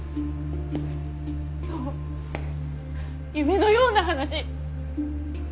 そう夢のような話。